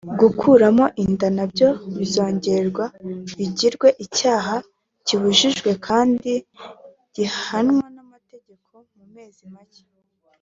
gukuramo inda nabyo bizongera bigirwe icyaha kibujijwe kandi gihanwa n’amategeko mu mezi make